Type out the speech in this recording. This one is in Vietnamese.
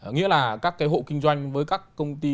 nghĩa là các cái hộ kinh doanh với các công ty